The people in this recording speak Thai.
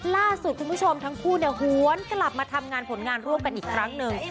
ล่าสุดคุณผู้ชมทั้งคู่เนี่ยหวนกลับมาทำงานผลงานร่วมกันอีกครั้งหนึ่ง